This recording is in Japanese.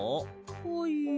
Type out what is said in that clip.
はい。